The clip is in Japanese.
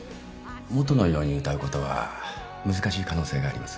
元のように歌うことは難しい可能性があります。